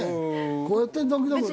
こうやってるだけだから。